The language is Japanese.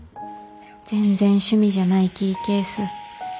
全然趣味じゃないキーケース